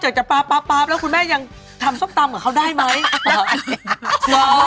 ป๊าป๊าป๊าป๊าป๊าแล้วคุณแม่ยังทำซบตำเหมือนเขาได้ไหมได้ต้องต้องได้ได้